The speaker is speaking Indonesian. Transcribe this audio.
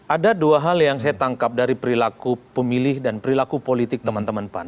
ada dua hal yang saya tangkap dari perilaku pemilih dan perilaku politik teman teman pan